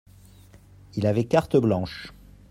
Il avait carte blanche.